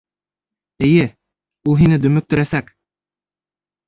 Эйе, ул һине дөмөктөрәсәк.